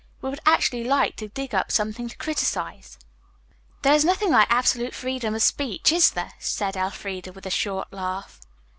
We would actually like to dig up something to criticize." "There is nothing like absolute freedom of speech, is there?" said Elfreda, with a short laugh.